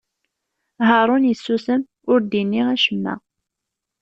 Haṛun issusem, ur d-inni acemma.